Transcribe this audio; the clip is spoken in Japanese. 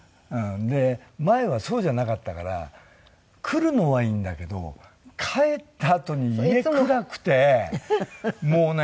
で前はそうじゃなかったから来るのはいいんだけど帰ったあとに家暗くてもうね。